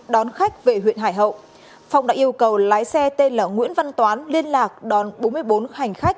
đón khách về huyện hải hậu phong đã yêu cầu lái xe tên là nguyễn văn toán liên lạc đón bốn mươi bốn hành khách